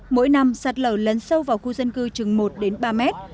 mỗi năm sạt lở lấn sâu vào khu dân cư chừng một đến ba mét